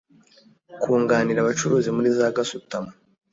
kunganira abacuruzi muri za Gasutamo